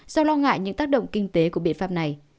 do lo ngại những tác động kinh tế của biện pháp này